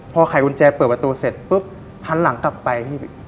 พอไขกุญแจเปิดประตูเสร็จปุ๊บหันหลังกลับไปพี่